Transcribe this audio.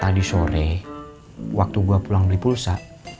tadi sore waktu gue pulang beli pulsa